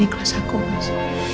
ikhlas aku mas